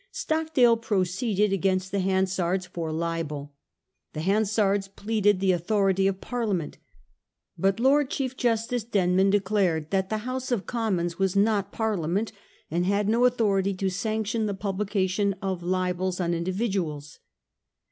Stockdale proceeded against the Han sards for libel. The Hansards pleaded the authority of Parliament ; but Lord Chief Justice Henman de cided that the House of Commons was not Parlia ment, and had no authority to sanction the publica tion of libels on individuals.